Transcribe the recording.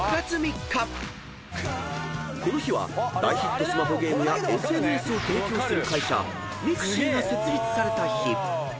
［この日は大ヒットスマホゲームやＳＮＳを提供する会社ＭＩＸＩが設立された日］